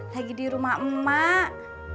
lagi di rumah emak